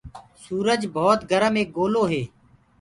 سُرج ڀوت گرم ايڪ لوڪو هي۔